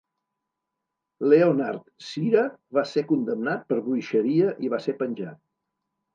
Leonhard Sihra va ser condemnat per bruixeria i va ser penjat.